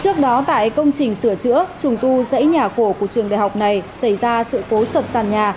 trước đó tại công trình sửa chữa trùng tu giấy nhà cổ của trường đại học này xảy ra sự cố sập sàn nhà